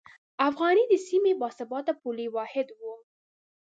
افغانۍ د سیمې باثباته پولي واحد و.